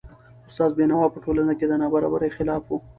استاد بینوا په ټولنه کي د نابرابریو خلاف و .